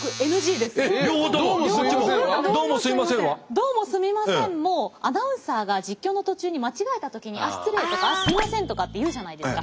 ドーモスミマセンもアナウンサーが実況の途中に間違えた時に「あっ失礼」とか「あっすいません」とかって言うじゃないですか。